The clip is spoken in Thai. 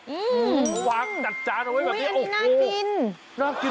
อื้อวากจัดจานไว้แบบนี้โอ้โหอันนี้น่ากิน